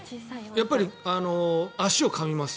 やっぱり足をかみます。